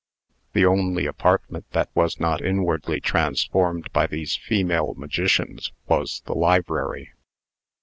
The only apartment that was not inwardly transformed by these female magicians was the library.